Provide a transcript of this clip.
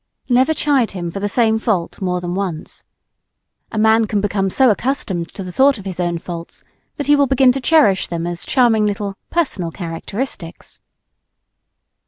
Never chide him for the same fault more than once. A man can become so accustomed to the thought of his own faults that he will begin to cherish them as charming little "personal characteristics."